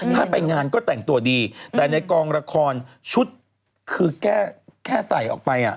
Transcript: ถ้าไปงานก็แต่งตัวดีแต่ในกองละครชุดคือแค่ใส่ออกไป